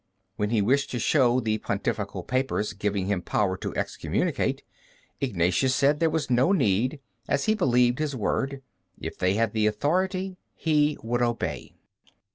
When he wished to show the pontifical papers giving him power to excommunicate, Ignatius said there was no need, as he believed his word. If they had the authority, he would obey.